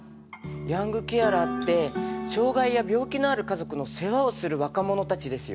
ヤングケアラーって障がいや病気のある家族の世話をする若者たちですよね。